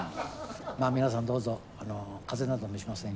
まあ皆さんどうぞ風邪など召しませんように。